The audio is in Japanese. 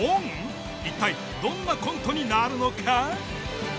一体どんなコントになるのか？